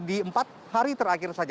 di empat hari terakhir saja